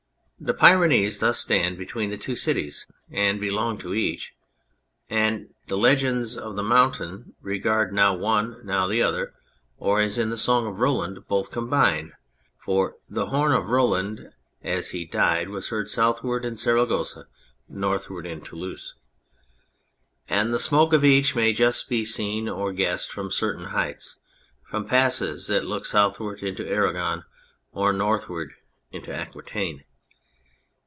The Pyrenees thus stand between the two cities and belong to each, and the legends of the mountain regard now one, now the other, or, as in the Song of Roland, both combined (for the Horn of Roland as he died was heard southward in Sara gossa, northward in Toulouse), and the smoke of each may just be seen or guessed from certain heights, from passes that look southward into Aragon or northward into Aquitaine.